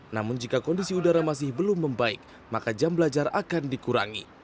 namun jika kondisi udara masih belum membaik maka jam belajar akan dikurangi